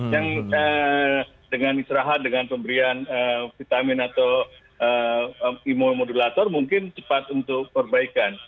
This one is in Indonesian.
yang dengan istirahat dengan pemberian vitamin atau imun modulator mungkin cepat untuk perbaikan